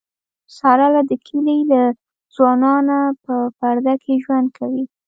ساره له د کلي له ځوانانونه په پرده کې ژوند کوي.